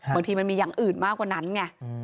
บางทีมันมีอย่างอื่นมากกว่านั้นไง